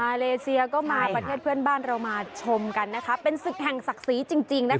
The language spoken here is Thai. เลเซียก็มาประเทศเพื่อนบ้านเรามาชมกันนะคะเป็นศึกแห่งศักดิ์ศรีจริงนะคะ